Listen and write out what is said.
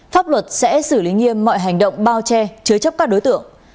pháp luật sẽ xử lý nghiêm mọi hành động bao che chứa chấp các đối tượng